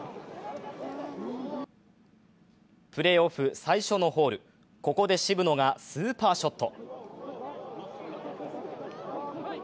プレーオフ最初のホール、ここで渋野がスーパーショット。